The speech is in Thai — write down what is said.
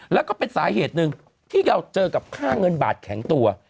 แล้วก็เป็นสาเหตุหนึ่งที่เราเจอกับค่าเงินบาทแข็งตัว